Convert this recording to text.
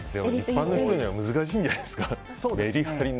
一般の人には難しいんじゃないですか